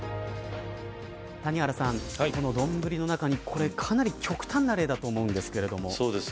谷原さん、このどんぶりの中にかなり極端な例だと思うんですけど。